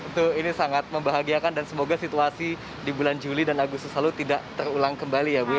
itu ini sangat membahagiakan dan semoga situasi di bulan juli dan agustus lalu tidak terulang kembali ya bu ya